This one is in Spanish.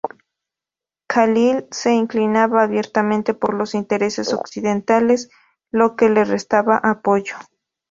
Khalil se inclinaba abiertamente por los intereses occidentales, lo que le restaba apoyo.